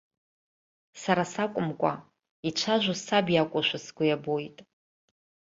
Сара сакәымкәа, ицәажәо саб иакәушәа сгәы иабоит.